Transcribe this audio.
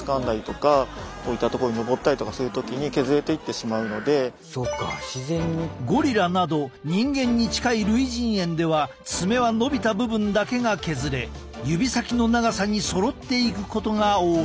そう人間で推奨されるゴリラなど人間に近い類人猿では爪は伸びた部分だけが削れ指先の長さにそろっていくことが多い。